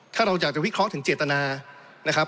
ถ้าเราอยากจะวิเคราะห์ถึงเจตนานะครับ